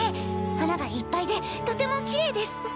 花がいっぱいでとてもきれいです。